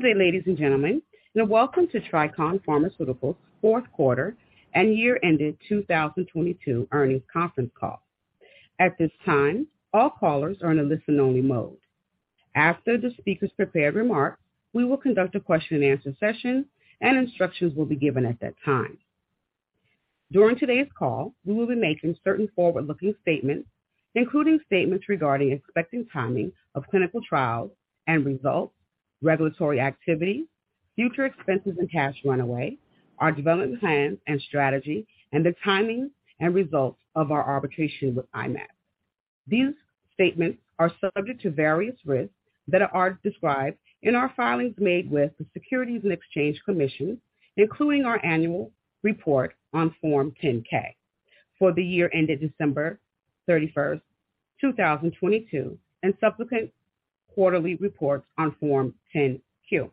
Good day, ladies and gentlemen, and welcome to TRACON Pharmaceuticals's fourth quarter and year-ended 2022 earnings conference call. At this time, all callers are in a listen-only mode. After the speaker's prepared remarks, we will conduct a question-and-answer session and instructions will be given at that time. During today's call, we will be making certain forward-looking statements, including statements regarding expected timing of clinical trials and results, regulatory activity, future expenses and cash runaway, our development plans and strategy, and the timing and results of our arbitration with I-Mab. These statements are subject to various risks that are described in our filings made with the Securities and Exchange Commission, including our annual report on Form 10-K for the year ended December 31st, 2022, and subsequent quarterly reports on Form 10-Q.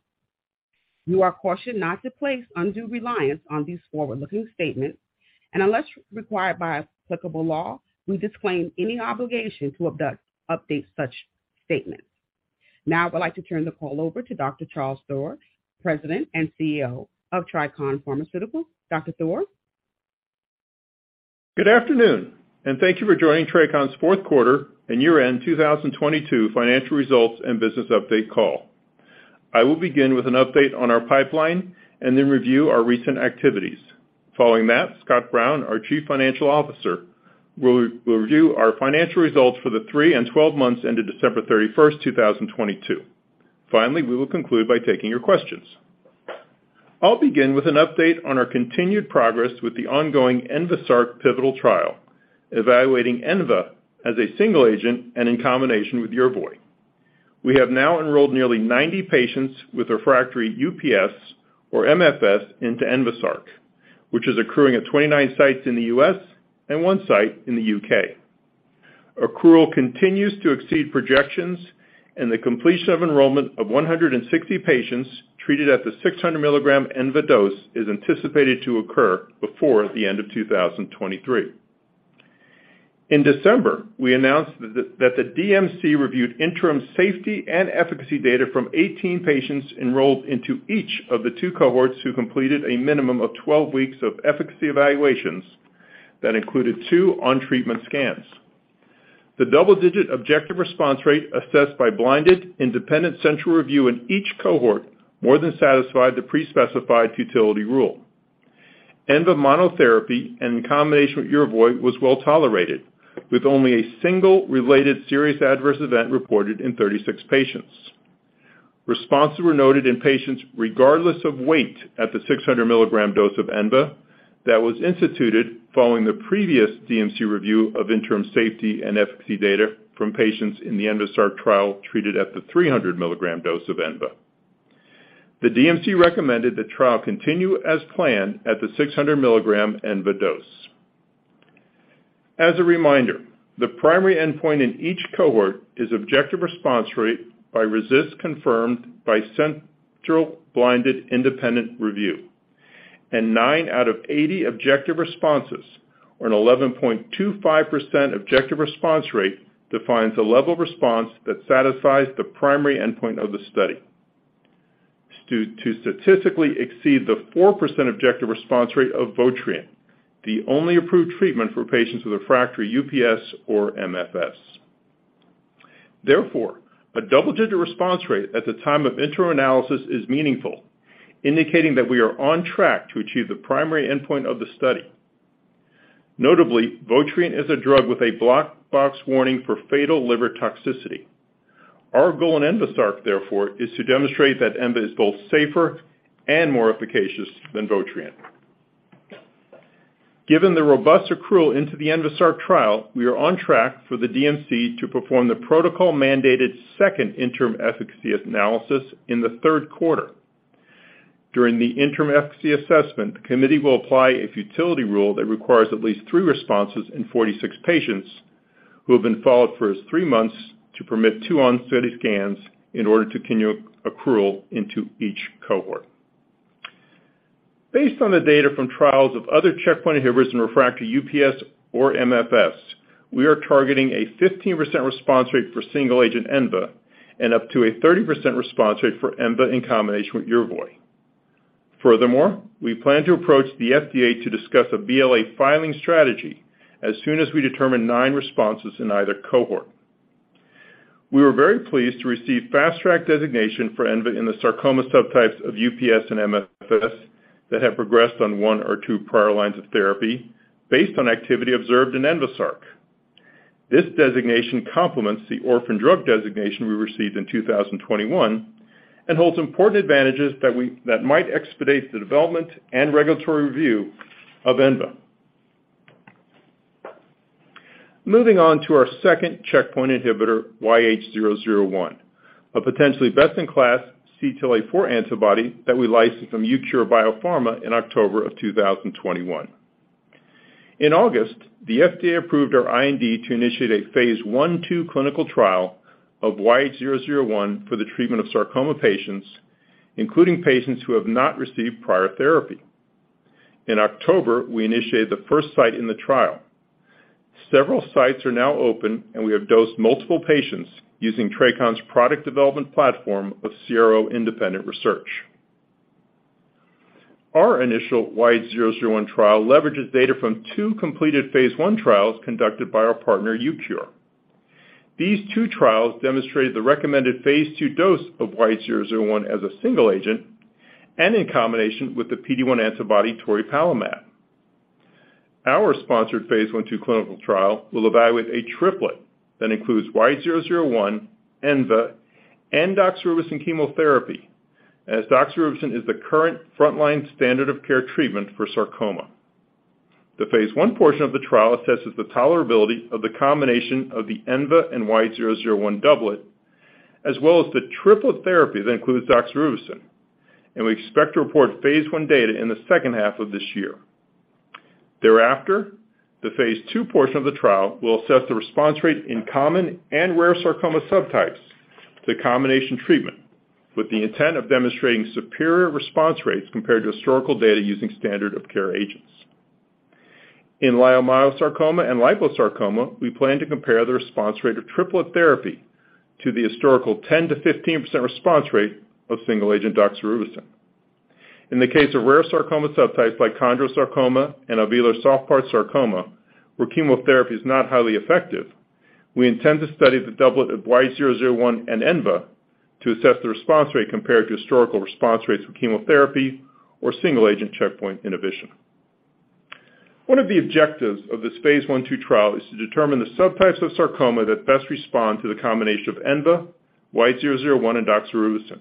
You are cautioned not to place undue reliance on these forward-looking statements. Unless required by applicable law, we disclaim any obligation to update such statements. Now, I'd like to turn the call over to Dr. Charles Theuer, President and CEO of TRACON Pharmaceuticals. Dr. Theuer? Good afternoon, thank you for joining TRACON's fourth quarter and year-end 2022 financial results and business update call. I will begin with an update on our pipeline and then review our recent activities. Following that, Scott Brown, our Chief Financial Officer, will review our financial results for the three and 12 months ended December 31st, 2022. Finally, we will conclude by taking your questions. I'll begin with an update on our continued progress with the ongoing ENVASARC pivotal trial, evaluating ENVA as a single agent and in combination with Yervoy. We have now enrolled nearly 90 patients with refractory UPS or MFS into ENVASARC, which is accruing at 29 sites in the U.S. and one site in the U.K. Accrual continues to exceed projections, and the completion of enrollment of 160 patients treated at the 600 milligram ENVA dose is anticipated to occur before the end of 2023. In December, we announced that the DMC reviewed interim safety and efficacy data from 18 patients enrolled into each of the two cohorts who completed a minimum of 12 weeks of efficacy evaluations that included two on-treatment scans. The double-digit objective response rate assessed by blinded independent central review in each cohort more than satisfied the pre-specified futility rule. ENVA monotherapy and combination with Yervoy was well tolerated, with only a single related serious adverse event reported in 36 patients. Responses were noted in patients regardless of weight at the 600 milligram dose of ENVA that was instituted following the previous DMC review of interim safety and efficacy data from patients in the ENVASARC trial treated at the 300 milligram dose of ENVA. The DMC recommended the trial continue as planned at the 600 milligram ENVA dose. As a reminder, the primary endpoint in each cohort is objective response rate by RECIST confirmed by central blinded independent review, and nine out of 80 objective responses, or an 11.25% objective response rate defines a level of response that satisfies the primary endpoint of the study. To statistically exceed the 4% objective response rate of Votrient, the only approved treatment for patients with refractory UPS or MFS. A double-digit response rate at the time of interim analysis is meaningful, indicating that we are on track to achieve the primary endpoint of the study. Notably, Votrient is a drug with a black box warning for fatal liver toxicity. Our goal in ENVASARC, therefore, is to demonstrate that ENVA is both safer and more efficacious than Votrient. Given the robust accrual into the ENVASARC trial, we are on track for the DMC to perform the protocol-mandated second interim efficacy analysis in the third quarter. During the interim efficacy assessment, the committee will apply a futility rule that requires at least three responses in 46 patients who have been followed for at least three months to permit two on-study scans in order to continue accrual into each cohort. Based on the data from trials of other checkpoint inhibitors in refractory UPS or MFS, we are targeting a 15% response rate for single-agent ENVA and up to a 30% response rate for ENVA in combination with Yervoy. We plan to approach the FDA to discuss a BLA filing strategy as soon as we determine 9 responses in either cohort. We were very pleased to receive Fast Track designation for ENVA in the sarcoma subtypes of UPS and MFS that have progressed on one or two prior lines of therapy based on activity observed in ENVASARC. This designation complements the orphan drug designation we received in 2021 and holds important advantages that might expedite the development and regulatory review of ENVA. Moving on to our second checkpoint inhibitor, YH001, a potentially best-in-class CTLA-4 antibody that we licensed from Eucure Biopharma in October of 2021. In August, the FDA approved our IND to initiate a phase I/II clinical trial of YH001 for the treatment of sarcoma patients, including patients who have not received prior therapy. In October, we initiated the first site in the trial. Several sites are now open, and we have dosed multiple patients using TRACON's product development platform of CRO independent research. Our initial YH001 trial leverages data from two completed phase I trials conducted by our partner Eucure. These two trials demonstrated the recommended phase II dose of YH001 as a single agent and in combination with the PD-1 antibody toripalimab. Our sponsored phase I/II clinical trial will evaluate a triplet that includes YH001, ENVA, and doxorubicin chemotherapy, as doxorubicin is the current frontline standard of care treatment for sarcoma. The phase I portion of the trial assesses the tolerability of the combination of the ENVA and YH001 doublet, as well as the triplet therapy that includes doxorubicin, and we expect to report phase I data in the second half of this year. Thereafter, the phase II portion of the trial will assess the response rate in common and rare sarcoma subtypes to combination treatment with the intent of demonstrating superior response rates compared to historical data using standard of care agents. In leiomyosarcoma and liposarcoma, we plan to compare the response rate of triplet therapy to the historical 10%-15% response rate of single-agent doxorubicin. In the case of rare sarcoma subtypes like chondrosarcoma and alveolar soft part sarcoma, where chemotherapy is not highly effective, we intend to study the doublet of YH001 and ENVA to assess the response rate compared to historical response rates with chemotherapy or single-agent checkpoint inhibition. One of the objectives of this phase I/II trial is to determine the subtypes of sarcoma that best respond to the combination of ENVA, YH001, and doxorubicin.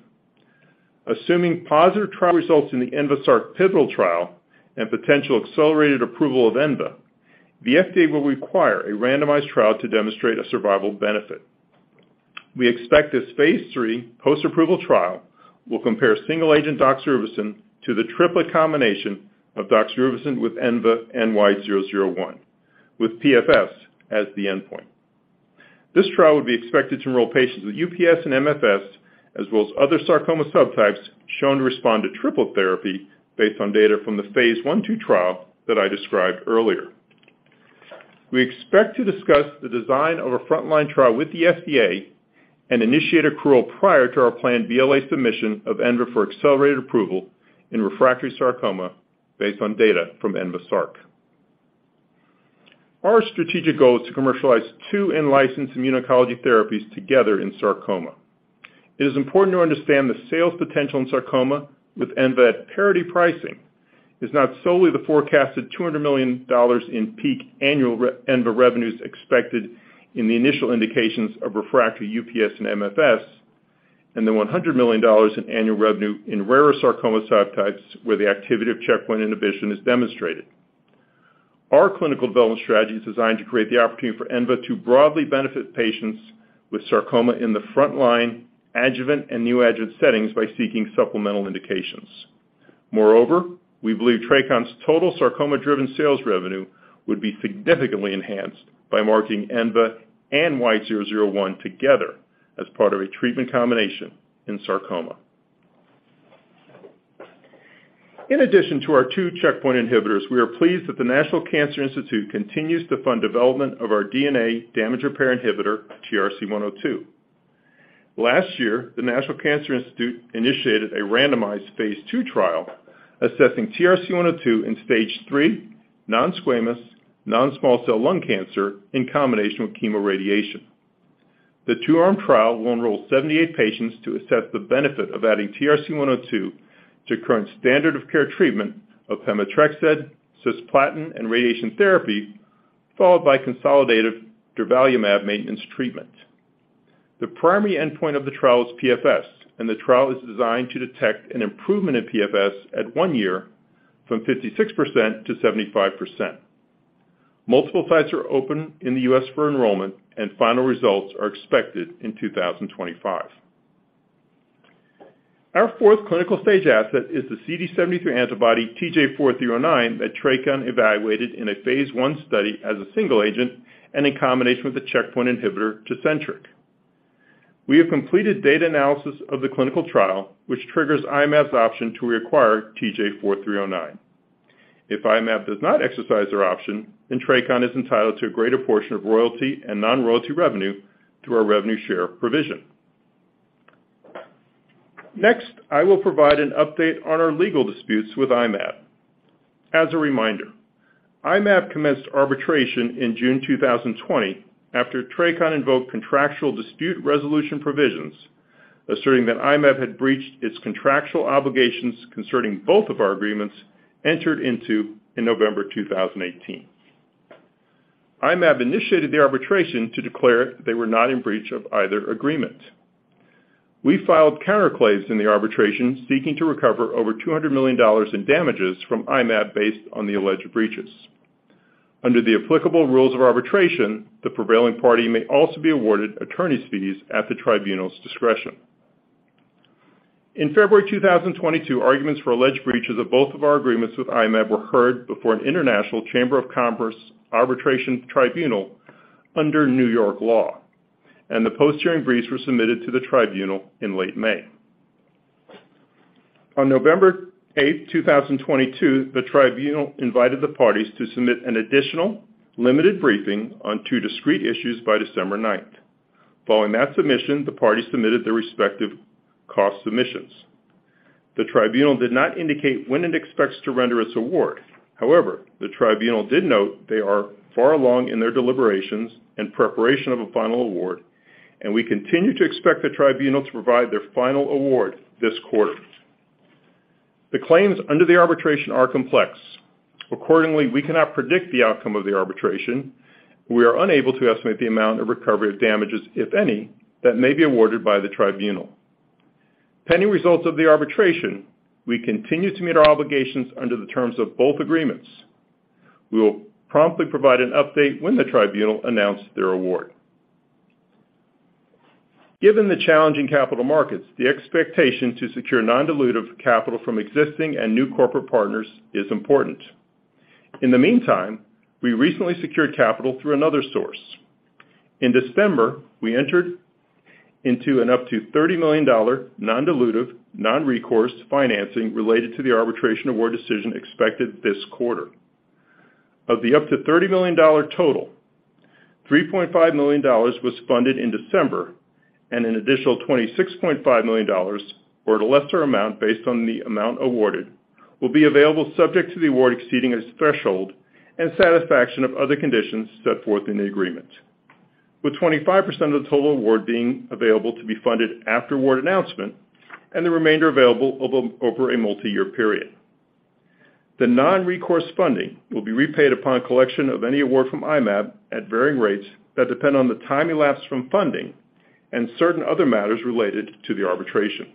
Assuming positive trial results in the ENVASARC-PIVOTAL trial and potential accelerated approval of ENVA, the FDA will require a randomized trial to demonstrate a survival benefit. We expect this phase III post-approval trial will compare single-agent doxorubicin to the triplet combination of doxorubicin with ENVA and YH001 with PFS as the endpoint. This trial would be expected to enroll patients with UPS and MFS, as well as other sarcoma subtypes shown to respond to triplet therapy based on data from the phase I/II trial that I described earlier. We expect to discuss the design of a frontline trial with the FDA and initiate accrual prior to our planned BLA submission of ENVA for accelerated approval in refractory sarcoma based on data from ENVASARC. Our strategic goal is to commercialize two in-licensed immuno-oncology therapies together in sarcoma. It is important to understand the sales potential in sarcoma with ENVA at parity pricing is not solely the forecasted $200 million in peak annual ENVA revenues expected in the initial indications of refractory UPS and MFS and the $100 million in annual revenue in rarer sarcoma subtypes where the activity of checkpoint inhibition is demonstrated. Our clinical development strategy is designed to create the opportunity for ENVA to broadly benefit patients with sarcoma in the frontline adjuvant and neoadjuvant settings by seeking supplemental indications. Moreover, we believe TRACON's total sarcoma-driven sales revenue would be significantly enhanced by marketing ENVA and YH001 together as part of a treatment combination in sarcoma. In addition to our two checkpoint inhibitors, we are pleased that the National Cancer Institute continues to fund development of our DNA damage repair inhibitor, TRC102. Last year, the National Cancer Institute initiated a randomized phase II trial assessing TRC102 in Stage III non-squamous non-small cell lung cancer in combination with chemoradiation. The II arm trial will enroll 78 patients to assess the benefit of adding TRC102 to current standard of care treatment of pemetrexed, cisplatin, and radiation therapy, followed by consolidated durvalumab maintenance treatment. The primary endpoint of the trial is PFS, and the trial is designed to detect an improvement in PFS at one year from 56% to 75%. Multiple sites are open in the U.S. for enrollment and final results are expected in 2025. Our fourth clinical stage asset is the CD73 antibody TJ004309 that TRACON evaluated in a phase I study as a single agent and in combination with the checkpoint inhibitor Tecentriq. We have completed data analysis of the clinical trial, which triggers I-Mab's option to reacquire TJ004309. If I-Mab does not exercise their option, TRACON is entitled to a greater portion of royalty and non-royalty revenue through our revenue share provision. I will provide an update on our legal disputes with I-Mab. As a reminder, I-Mab commenced arbitration in June 2020 after TRACON invoked contractual dispute resolution provisions asserting that I-Mab had breached its contractual obligations concerning both of our agreements entered into in November 2018. I-Mab initiated the arbitration to declare they were not in breach of either agreement. We filed counterclaims in the arbitration seeking to recover over $200 million in damages from I-Mab based on the alleged breaches. Under the applicable rules of arbitration, the prevailing party may also be awarded attorney's fees at the tribunal's discretion. In February 2022, arguments for alleged breaches of both of our agreements with I-Mab were heard before an International Chamber of Commerce arbitration tribunal under New York law. The post-hearing briefs were submitted to the tribunal in late May. On November 8th, 2022, the tribunal invited the parties to submit an additional limited briefing on two discrete issues by December 9th. Following that submission, the parties submitted their respective cost submissions. The tribunal did not indicate when it expects to render its award. However, the tribunal did note they are far along in their deliberations and preparation of a final award. We continue to expect the tribunal to provide their final award this quarter. The claims under the arbitration are complex. Accordingly, we cannot predict the outcome of the arbitration. We are unable to estimate the amount of recovery of damages, if any, that may be awarded by the tribunal. Pending results of the arbitration, we continue to meet our obligations under the terms of both agreements. We will promptly provide an update when the tribunal announce their award. Given the challenging capital markets, the expectation to secure non-dilutive capital from existing and new corporate partners is important. In the meantime, we recently secured capital through another source. In December, we entered into an up to $30 million non-dilutive, non-recourse financing related to the arbitration award decision expected this quarter. Of the up to $30 million total, $3.5 million was funded in December. An additional $26.5 million, or at a lesser amount based on the amount awarded, will be available subject to the award exceeding its threshold and satisfaction of other conditions set forth in the agreement, with 25% of the total award being available to be funded after award announcement and the remainder available over a multi-year period. The non-recourse funding will be repaid upon collection of any award from I-Mab at varying rates that depend on the time elapsed from funding and certain other matters related to the arbitration.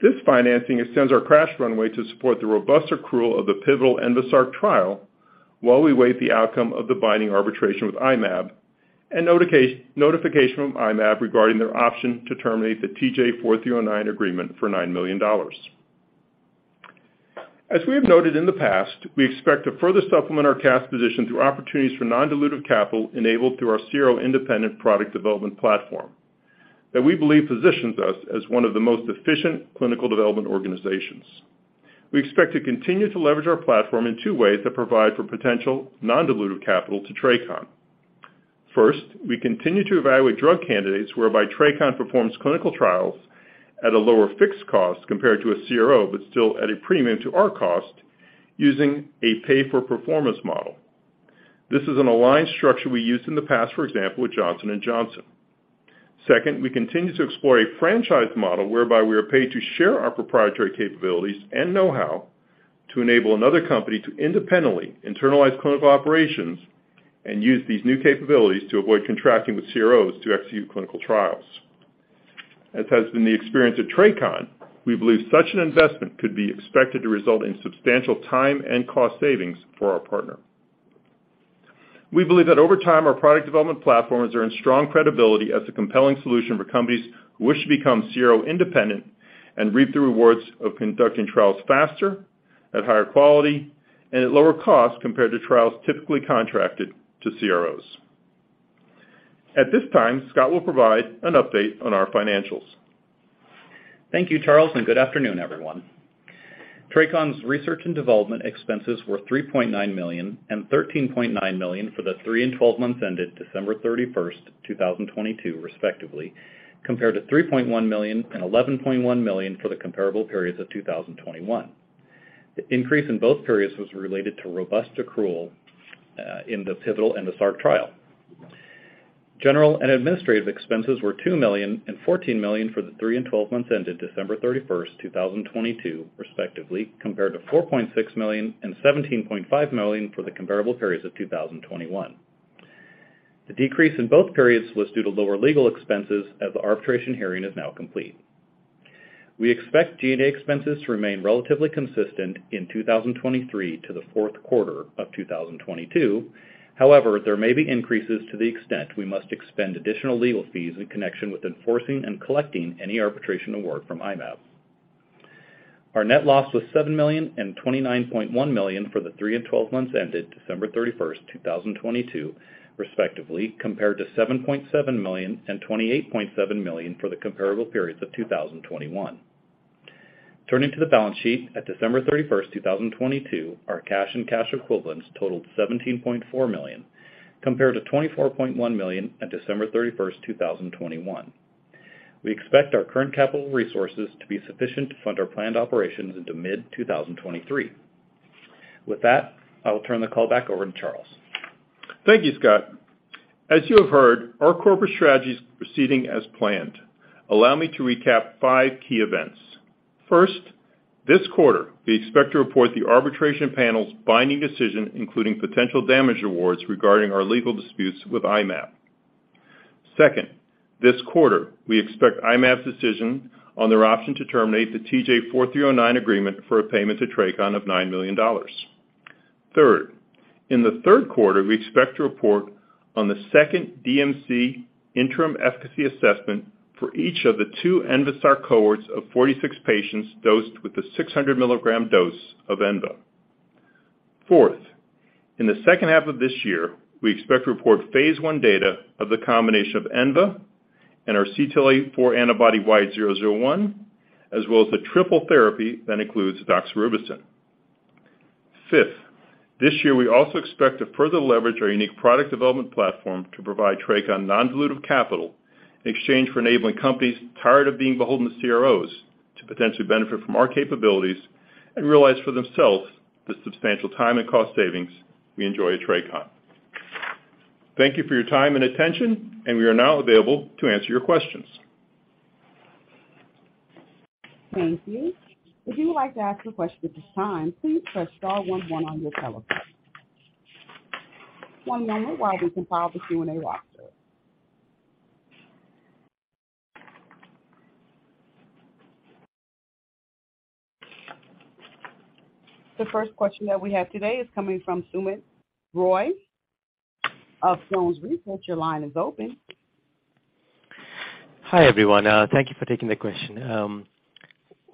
This financing extends our cash runway to support the robust accrual of the pivotal ENVASARC trial while we wait the outcome of the binding arbitration with I-Mab and notification from I-Mab regarding their option to terminate the TJ004309 agreement for $9 million. As we have noted in the past, we expect to further supplement our cash position through opportunities for non-dilutive capital enabled through our CRO independent product development platform that we believe positions us as one of the most efficient clinical development organizations. We expect to continue to leverage our platform in two ways that provide for potential non-dilutive capital to TRACON. First, we continue to evaluate drug candidates whereby TRACON performs clinical trials at a lower fixed cost compared to a CRO, but still at a premium to our cost using a pay-for-performance model. This is an aligned structure we used in the past, for example, with Johnson & Johnson. Second, we continue to explore a franchise model whereby we are paid to share our proprietary capabilities and know-how to enable another company to independently internalize clinical operations and use these new capabilities to avoid contracting with CROs to execute clinical trials. As has been the experience at TRACON, we believe such an investment could be expected to result in substantial time and cost savings for our partner. We believe that over time, our product development platforms earn strong credibility as a compelling solution for companies who wish to become CRO independent and reap the rewards of conducting trials faster, at higher quality, and at lower cost compared to trials typically contracted to CROs. At this time, Scott will provide an update on our financials. Thank you, Charles. Good afternoon, everyone. TRACON's research and development expenses were $3.9 million and $13.9 million for the three and 12 months ended December 31, 2022, respectively, compared to $3.1 million and $11.1 million for the comparable periods of 2021. The increase in both periods was related to robust accrual in the pivotal ENVASARC trial. General and administrative expenses were $2 million and $14 million for the three and 12 months ended December 31, 2022, respectively, compared to $4.6 million and $17.5 million for the comparable periods of 2021. The decrease in both periods was due to lower legal expenses as the arbitration hearing is now complete. We expect G&A expenses to remain relatively consistent in 2023 to the fourth quarter of 2022. However, there may be increases to the extent we must expend additional legal fees in connection with enforcing and collecting any arbitration award from I-Mab. Our net loss was $7 million and $29.1 million for the three and 12 months ended December 31, 2022, respectively, compared to $7.7 million and $28.7 million for the comparable periods of 2021. Turning to the balance sheet at December 31, 2022, our cash and cash equivalents totaled $17.4 million, compared to $24.1 million at December 31, 2021. We expect our current capital resources to be sufficient to fund our planned operations into mid-2023. With that, I will turn the call back over to Charles. Thank you, Scott. As you have heard, our corporate strategy is proceeding as planned. Allow me to recap five key events. First, this quarter, we expect to report the arbitration panel's binding decision, including potential damage awards regarding our legal disputes with I-Mab. Second, this quarter, we expect I-Mab's decision on their option to terminate the TJ004309 agreement for a payment to TRACON of $9 million. Third, in the third quarter, we expect to report on the second DMC interim efficacy assessment for each of the two ENVASARC cohorts of 46 patients dosed with a 600 milligram dose of ENVA. Fourth, in the second half of this year, we expect to report phase I data of the combination of ENVA and our CTLA-4 antibody YH001, as well as the triple therapy that includes doxorubicin. Fifth, this year we also expect to further leverage our unique product development platform to provide TRACON non-dilutive capital in exchange for enabling companies tired of being beholden to CROs to potentially benefit from our capabilities and realize for themselves the substantial time and cost savings we enjoy at TRACON. Thank you for your time and attention. We are now available to answer your questions. Thank you. If you would like to ask a question at this time, please press star one one on your telephone. One moment while we compile the Q&A roster. The first question that we have today is coming from Sumit Roy of Stifel. Your line is open. Hi, everyone. Thank you for taking the question.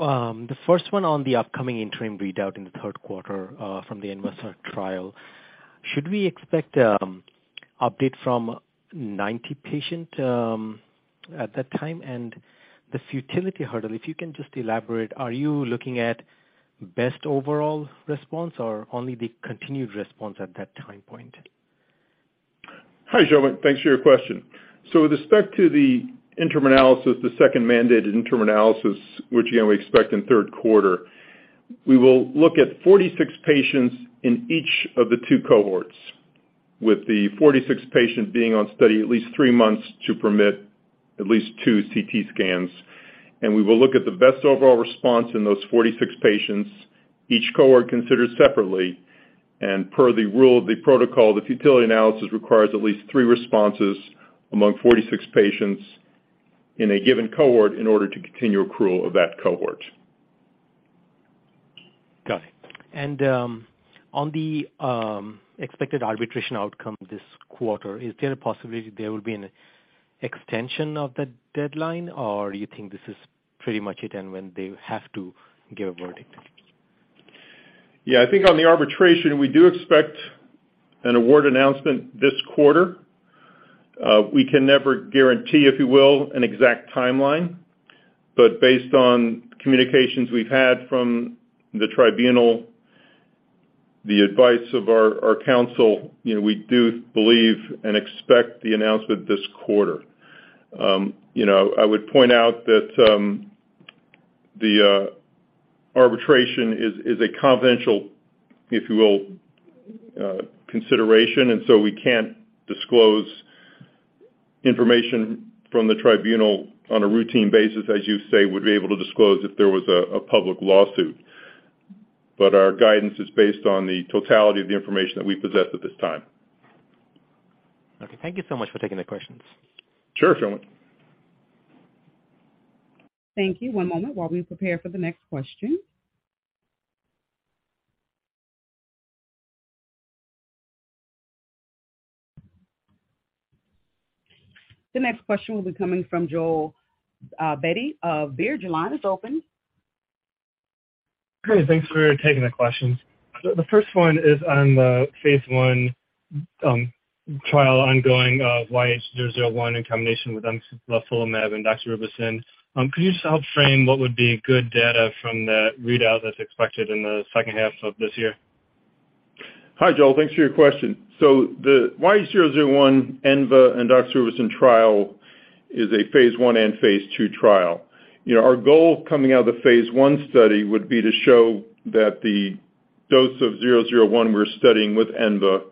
The first one on the upcoming interim readout in the third quarter from the ENVASARC trial. Should we expect update from 90 patient at that time? The futility hurdle, if you can just elaborate, are you looking at best overall response or only the continued response at that time point? Hi, Sumit. Thanks for your question. With respect to the interim analysis, the second mandated interim analysis, which, you know, we expect in third quarter, we will look at 46 patients in each of the two cohorts, with the 46 patients being on study at least three months to permit at least two CT scans. We will look at the best overall response in those 46 patients, each cohort considered separately. Per the rule of the protocol, the futility analysis requires at least three responses among 46 patients in a given cohort in order to continue accrual of that cohort. Got it. On the, expected arbitration outcome this quarter, is there a possibility there will be an extension of the deadline, or you think this is pretty much it and when they have to give a verdict? Yeah, I think on the arbitration, we do expect an award announcement this quarter. We can never guarantee, if you will, an exact timeline, but based on communications we've had from the tribunal, the advice of our counsel, you know, we do believe and expect the announcement this quarter. You know, I would point out that the arbitration is a confidential, if you will, consideration, so we can't disclose information from the tribunal on a routine basis, as you say, would be able to disclose if there was a public lawsuit. Our guidance is based on the totality of the information that we possess at this time. Okay. Thank you so much for taking the questions. Sure, Sumit. Thank you. One moment while we prepare for the next question. The next question will be coming from Joel Beatty of Baird. Your line is open. Great. Thanks for taking the question. The first one is on the phase I, trial ongoing of YH001 in combination with envafolimab and doxorubicin. Could you just help frame what would be good data from that readout that's expected in the second half of this year? Hi, Joel. Thanks for your question. The YH001 ENVA and doxorubicin trial is a phase I and phase II trial. You know, our goal coming out of the phase I study would be to show that the dose of YH001 we're studying with ENVA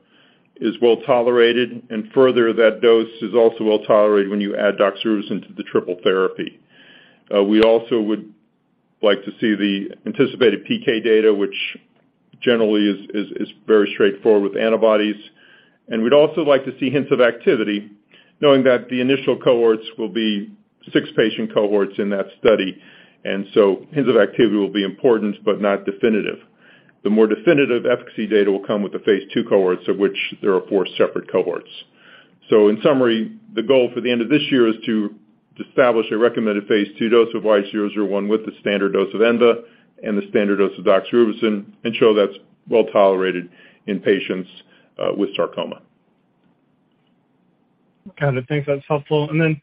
is well-tolerated, and further, that dose is also well-tolerated when you add doxorubicin to the triple therapy. We also would like to see the anticipated PK data, which generally is very straightforward with antibodies. We'd also like to see hints of activity, knowing that the initial cohorts will be six patient cohorts in that study. Hints of activity will be important but not definitive. The more definitive efficacy data will come with the phase II cohorts, of which there are four separate cohorts. In summary, the goal for the end of this year is to establish a recommended phase II dose of YH001 with the standard dose of ENVA and the standard dose of doxorubicin and show that's well-tolerated in patients with sarcoma. Got it. Thanks. That's helpful. Then,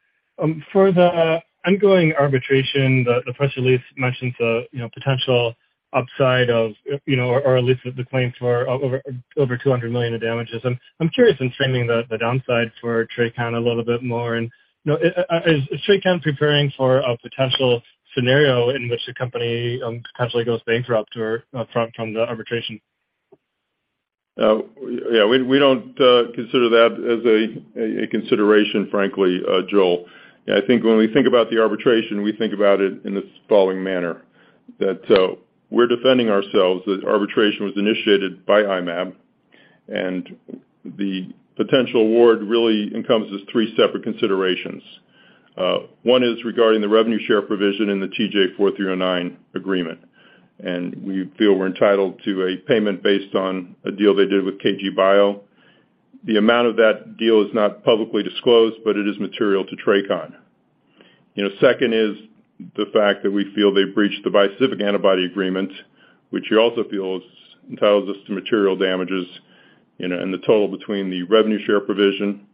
for the ongoing arbitration, the press release mentions a, you know, potential upside of, you know, or at least the claims for over $200 million in damages. I'm curious in framing the downside for TRACON a little bit more. You know, is TRACON preparing for a potential scenario in which the company potentially goes bankrupt or from the arbitration? Yeah, we don't consider that as a consideration, frankly, Joel. I think when we think about the arbitration, we think about it in this following manner, that we're defending ourselves. The arbitration was initiated by I-Mab. The potential award really encompasses three separate considerations. One is regarding the revenue share provision in the TJ004309 agreement. We feel we're entitled to a payment based on a deal they did with KG Bio. The amount of that deal is not publicly disclosed, but it is material to TRACON. You know, second is the fact that we feel they breached the bispecific antibody agreement, which we also feel entitles us to material damages, you know, and the total between the revenue share provision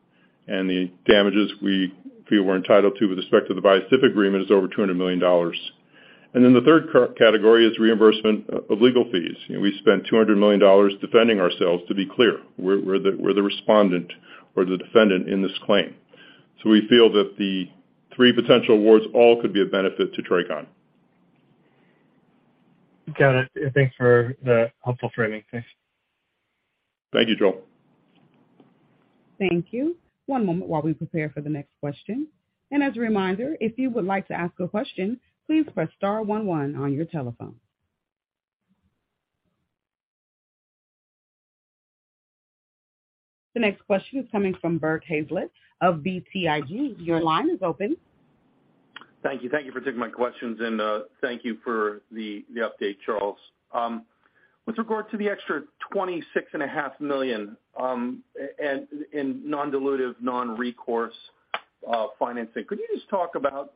and the damages we feel we're entitled to with respect to the bispecific agreement is over $200 million. The third category is reimbursement of legal fees. You know, we spent $200 million defending ourselves, to be clear. We're the respondent or the defendant in this claim. We feel that the three potential awards all could be of benefit to TRACON. Got it. Thanks for the helpful framing. Thanks. Thank you, Joel. Thank you. One moment while we prepare for the next question. As a reminder, if you would like to ask a question, please press star one one on your telephone. The next question is coming from Burt Hazlett of BTIG. Your line is open. Thank you. Thank you for taking my questions, and thank you for the update, Charles. With regard to the extra $26 and a half million, and in non-dilutive, non-recourse financing, could you just talk about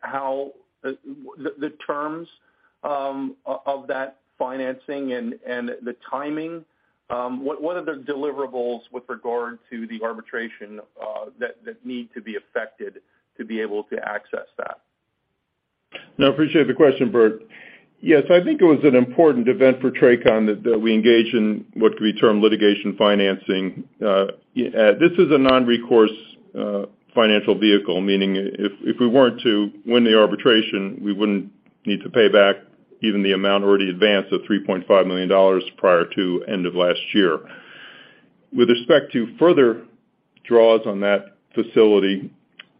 how the terms of that financing and the timing? What are the deliverables with regard to the arbitration that need to be affected to be able to access that? I appreciate the question, Burt. I think it was an important event for TRACON that we engage in what could be termed litigation financing. This is a non-recourse financial vehicle, meaning if we weren't to win the arbitration, we wouldn't need to pay back even the amount already advanced of $3.5 million prior to end of last year. With respect to further draws on that facility,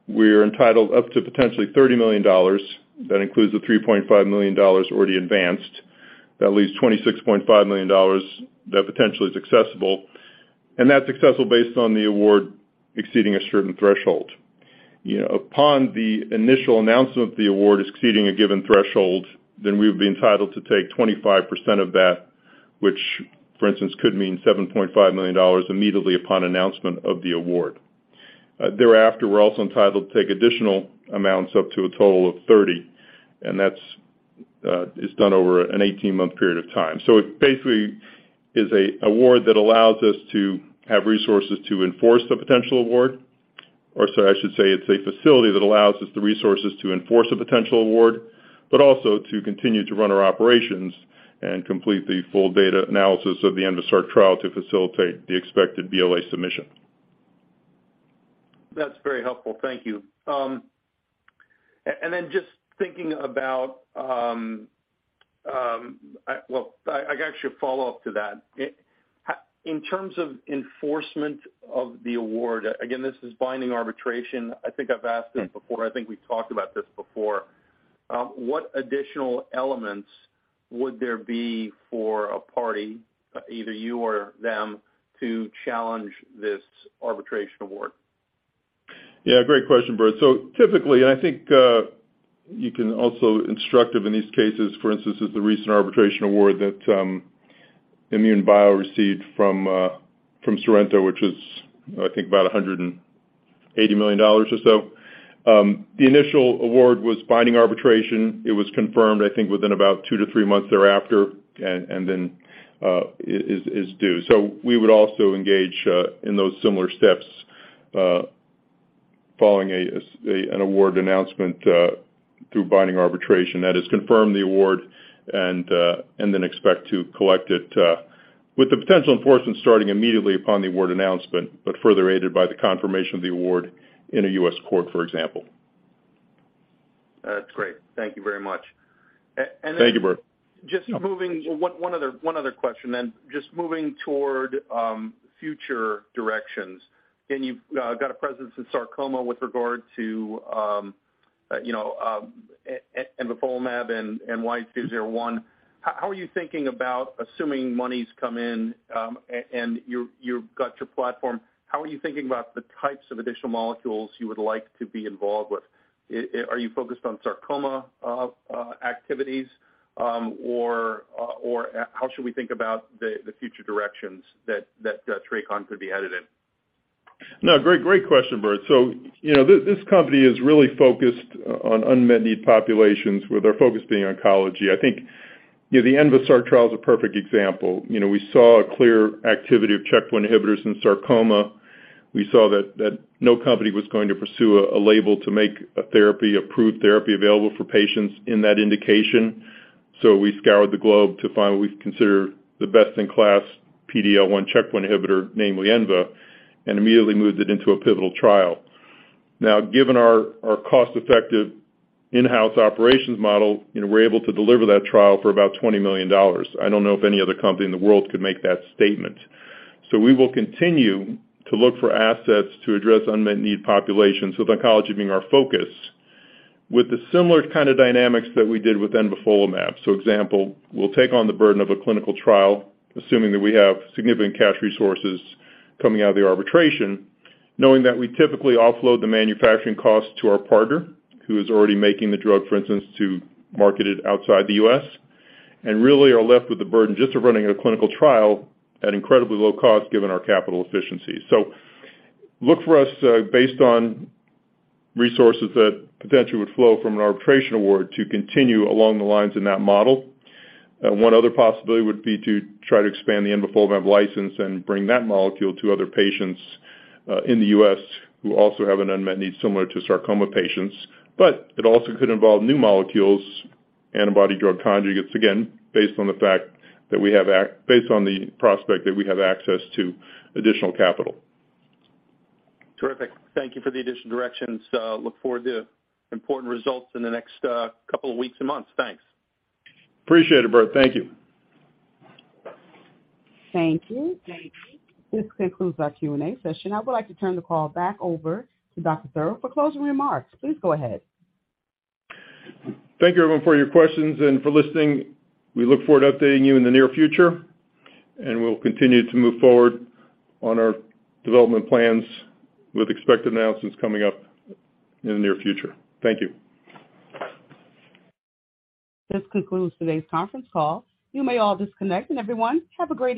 we're entitled up to potentially $30 million. That includes the $3.5 million already advanced. That leaves $26.5 million that potentially is accessible, and that's accessible based on the award exceeding a certain threshold. You know, upon the initial announcement of the award exceeding a given threshold, then we would be entitled to take 25% of that, which for instance, could mean $7.5 million immediately upon announcement of the award. Thereafter, we're also entitled to take additional amounts up to a total of 30, and that's is done over an 18-month period of time. It basically is an award that allows us to have resources to enforce the potential award. Or sorry, I should say, it's a facility that allows us the resources to enforce a potential award, but also to continue to run our operations and complete the full data analysis of the ENVASARC trial to facilitate the expected BLA submission. That's very helpful. Thank you. Then just thinking about, well, I guess your follow-up to that. How, in terms of enforcement of the award, again, this is binding arbitration. I think I've asked this before. I think we've talked about this before. What additional elements would there be for a party, either you or them, to challenge this arbitration award? Yeah, great question, Burt. Typically, I think, you can also instructive in these cases, for instance, is the recent arbitration award that INmune Bio received from Sorrento, which is, I think about $180 million or so. The initial award was binding arbitration. It was confirmed, I think, within about two-three months thereafter and then is due. We would also engage in those similar steps following an award announcement through binding arbitration. That is confirm the award and then expect to collect it with the potential enforcement starting immediately upon the award announcement, but further aided by the confirmation of the award in a U.S. court, for example. That's great. Thank you very much. Then. Thank you, Burt. Just moving. One other question then. Just moving toward future directions, again, you've got a presence in sarcoma with regard to, you know, envafolimab and YH001. How are you thinking about assuming monies come in, and you've got your platform, how are you thinking about the types of additional molecules you would like to be involved with? Are you focused on sarcoma activities, or how should we think about the future directions that TRACON could be headed in? Great, great question, Burt. You know, this company is really focused on unmet need populations with our focus being oncology. I think, you know, the ENVASARC trial is a perfect example. You know, we saw a clear activity of check one inhibitors in sarcoma. We saw that no company was going to pursue a label to make a therapy, approved therapy available for patients in that indication. We scoured the globe to find what we consider the best-in-class PD-L1 check one inhibitor, namely ENVA, and immediately moved it into a pivotal trial. Given our cost-effective in-house operations model, you know, we're able to deliver that trial for about $20 million. I don't know if any other company in the world could make that statement. We will continue to look for assets to address unmet need populations, with oncology being our focus, with the similar kind of dynamics that we did with envafolimab. Example, we'll take on the burden of a clinical trial, assuming that we have significant cash resources coming out of the arbitration, knowing that we typically offload the manufacturing cost to our partner who is already making the drug, for instance, to market it outside the U.S., and really are left with the burden just of running a clinical trial at incredibly low cost given our capital efficiency. Look for us, based on resources that potentially would flow from an arbitration award to continue along the lines in that model. One other possibility would be to try to expand the envafolimab license and bring that molecule to other patients, in the U.S. who also have an unmet need similar to sarcoma patients. It also could involve new molecules, antibody-drug conjugates, again, Based on the prospect that we have access to additional capital. Terrific. Thank you for the addition directions. look forward to important results in the next couple of weeks and months. Thanks. Appreciate it, Burt. Thank you. Thank you. This concludes our Q&A session. I would like to turn the call back over to Dr. Theuer for closing remarks. Please go ahead. Thank you everyone for your questions and for listening. We look forward to updating you in the near future. We'll continue to move forward on our development plans with expected announcements coming up in the near future. Thank you. This concludes today's conference call. You may all disconnect, and everyone, have a great evening.